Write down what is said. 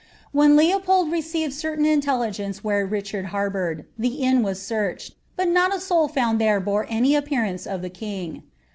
When Leopold received certain intelligence where Kidiard lwr!xnin<l. ihe inn was searched, but not a Houl fuuud there who Ixire any appear ance of a king.